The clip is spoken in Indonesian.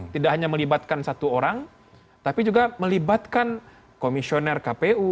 tidak hanya melibatkan satu orang tapi juga melibatkan komisioner kpu